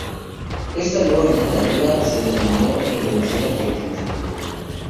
Esta nueva dictadura se denominó "Revolución Argentina".